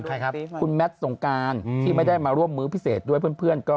ใครครับคุณแมทสงการที่ไม่ได้มาร่วมมื้อพิเศษด้วยเพื่อนก็